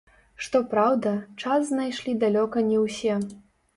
Што праўда, час знайшлі далёка не ўсе.